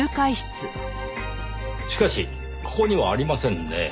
しかしここにはありませんね